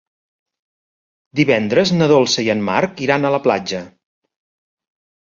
Divendres na Dolça i en Marc iran a la platja.